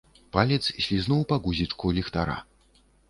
Палец слізнуў па гузічку ліхтара.